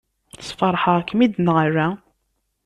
Sfeṛḥeɣ-kem-id neɣ ala?